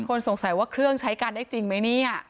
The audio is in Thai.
คนสงสัยว่าเครื่องใช้กันได้จริงไหมเนี่ย